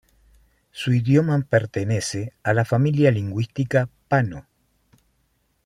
Su idioma pertenece a la familia lingüística pano.